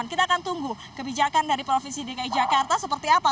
kita akan tunggu kebijakan dari provinsi dki jakarta seperti apa